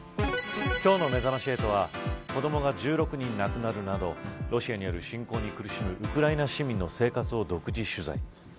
今日のめざまし８は子どもが１６人亡くなるなどロシアによる侵攻に苦しむウクライナ市民の現状を独占取材。